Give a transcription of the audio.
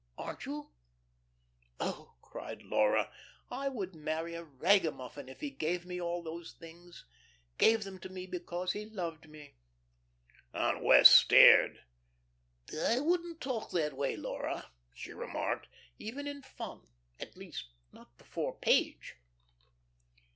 Aren't you?" "Oh," cried Laura, "I would marry a ragamuffin if he gave me all these things gave them to me because he loved me." Aunt Wess' stared. "I wouldn't talk that way, Laura," she remarked. "Even in fun. At least not before Page."